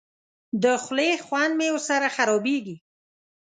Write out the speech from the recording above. د خولې خوند مې ورسره خرابېږي.